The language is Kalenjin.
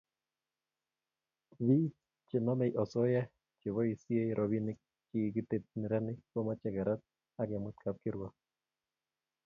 Bik chenomei osoya cheboisie robinik che kikitetyi neranik komochei kerat agemut kapkirwok